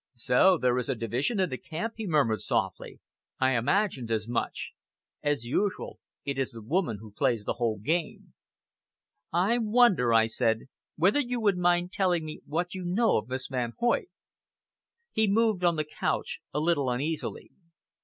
"So there is a division in the camp," he murmured softly. "I imagined as much. As usual, it is the woman who plays the whole game." "I wonder," I said, "whether you would mind telling me what you know of Miss Van Hoyt?" He moved on the couch a little uneasily.